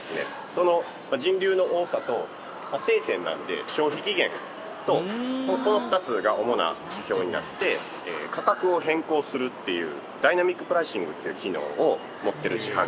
その人流の多さと生鮮なので消費期限とこの２つが主な指標になって価格を変更するっていうダイナミックプライシングっていう機能を持ってる自販機です。